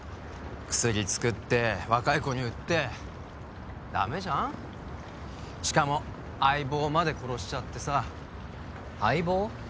クスリ作って若い子に売ってダメじゃんしかも相棒まで殺しちゃってさ相棒？